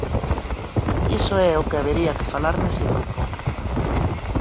Iso é o que habería que falar nese grupo.